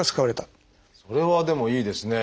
それはでもいいですね。